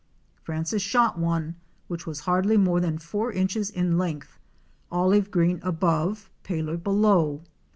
_ Francis shot one, which was hardly more than four inches in length, olive green above, paler below.